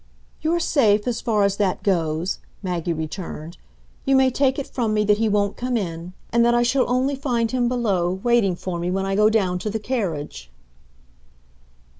"You're safe, as far as that goes," Maggie returned; "you may take it from me that he won't come in; and that I shall only find him below, waiting for me, when I go down to the carriage."